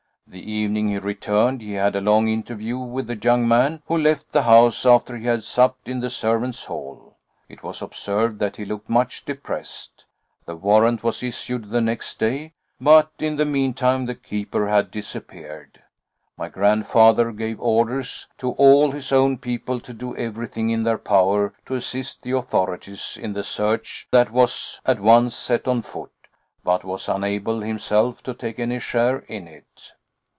The evening he returned he had a long interview with the young man, who left the house after he had supped in the servants' hall. It was observed that he looked much depressed. The warrant was issued the next day, but in the meantime the keeper had disappeared. My grandfather gave orders to all his own people to do everything in their power to assist the authorities in the search that was at once set on foot, but was unable himself to take any share in it.